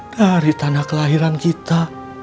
dari tanah kelahiran kita